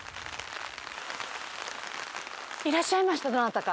いらっしゃいましたどなたか。